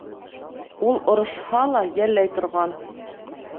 Ул орошһа әла, йәлләй торған.